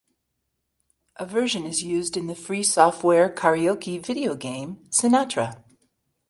A version is used in the free software karaoke video game Sinatra.